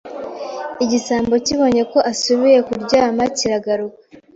Igisambo kibonye ko asubiye kuryama kiragaruka